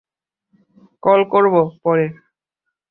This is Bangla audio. কল করব পরে।